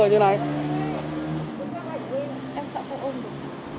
em sợ phải ôn được